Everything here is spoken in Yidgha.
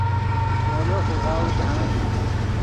مولو خوغاؤو جاہند